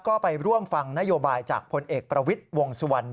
ก็ไปร่วมฟังนโยบายจากพลเอกประวิทย์วงสุวรรณ